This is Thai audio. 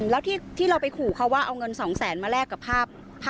แล้วที่เราไปขู่เขาว่าเอาเงิน๒๐๐๐๐๐มาแลกกับภาพรับนี้ล่ะ